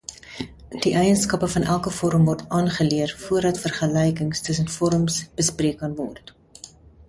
Die eienskappe van elke vorm word aangeleer voordat vergelykings tussen vorms bespreek kan word.